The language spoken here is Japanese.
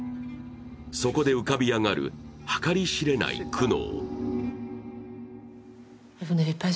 そこで浮かび上がる計り知れない苦悩。